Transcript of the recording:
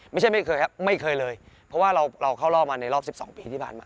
ไม่เคยครับไม่เคยเลยเพราะว่าเราเข้ารอบมาในรอบ๑๒ปีที่ผ่านมา